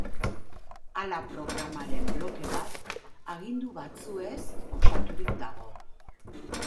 Hala programaren bloke bat agindu batzuez osaturik dago.